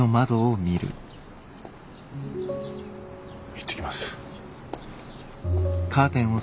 行ってきます。